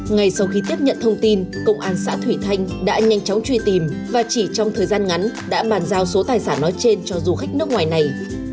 ngay sau khi tiếp nhận thông tin công an xã thủy thanh đã nhanh chóng truy tìm và chỉ trong thời gian ngắn đã bàn giao số tài sản nói trên cho du khách nước ngoài này